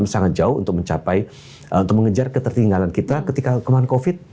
sangat jauh untuk mencapai atau mengejar ketertinggalan kita ketika kemarin covid